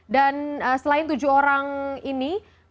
dan selain tujuh orang ini mitwan dari pantawan anak